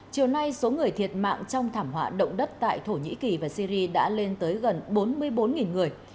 chiều nay số người thiệt mạng trong thảm họa động đất tại thổ nhĩ kỳ và syri đã lên tới gần bốn mươi bốn người